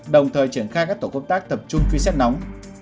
đồng thời triển khai các tổ công tác tập trung truy xét nóng